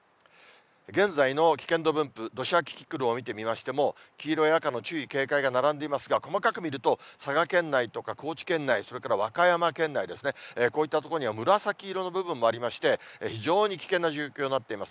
現在の危険度分布、土砂キキクルを見てみましても、黄色や赤の注意、警戒が並んでいますが、細かく見ると、佐賀県内とか高知県内、それから和歌山県内ですね、こういった所には紫色の部分もありまして、非常に危険な状況になっています。